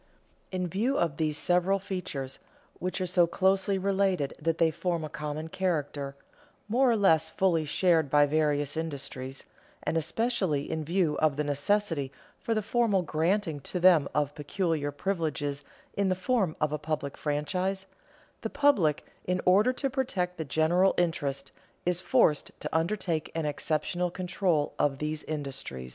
In view of these several features, which are so closely related that they form a common character, more or less fully shared by various industries, and especially in view of the necessity for the formal granting to them of peculiar privileges in the form of a public franchise, the public, in order to protect the general interest, is forced to undertake an exceptional control of these industries.